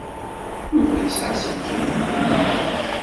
Yuba yesɛa aselkim am win-nwen.